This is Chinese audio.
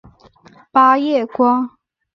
八叶瓜